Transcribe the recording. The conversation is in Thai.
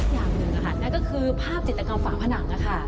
อย่างหนึ่งค่ะนั่นก็คือภาพจิตกรรมฝาผนัง